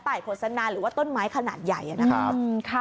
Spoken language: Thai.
ยโฆษณาหรือว่าต้นไม้ขนาดใหญ่นะครับ